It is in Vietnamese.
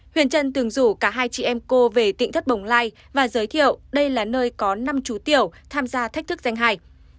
huyền trân từng rủ cả hai chị em cô về tỉnh thất bồng lai và giới thiệu đây là nơi có năm chú tiểu tham gia thách thức danh hai